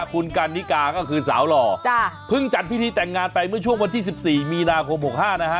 คุณกันนิกาก็คือสาวหล่อเพิ่งจัดพิธีแต่งงานไปเมื่อช่วงวันที่๑๔มีนาคม๖๕นะฮะ